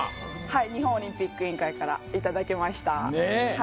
はい日本オリンピック委員会からいただきましたねえ